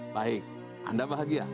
baik anda bahagia